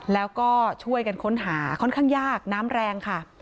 แล้วก็ช่วยกันค้นหาค่อนข้างยากน้ำแรงค่ะ